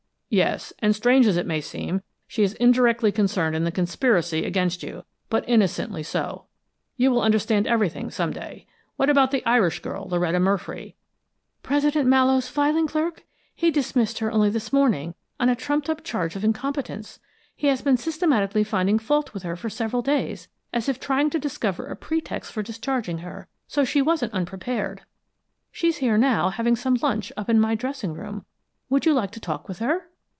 "Yes. And, strange as it may seem, she is indirectly concerned in the conspiracy against you, but innocently so. You will understand everything some day. What about the Irish girl, Loretta Murfree?" "President Mallowe's filing clerk? He dismissed her only this morning, on a trumped up charge of incompetence. He has been systematically finding fault with her for several days, as if trying to discover a pretext for discharging her, so she wasn't unprepared. She's here now, having some lunch, up in my dressing room. Would you like to talk with her?"